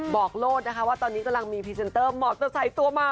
บอกโลศนะคะว่าตอนนี้กำลังมีพรีเซนเตอร์ตัวใหม่